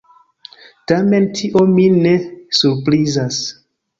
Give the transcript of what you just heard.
Tamen tio min ne surprizas.